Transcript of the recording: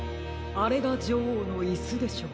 あれがじょおうのイスでしょうか。